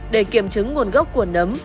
để kiểm chứng nguồn gốc của nấm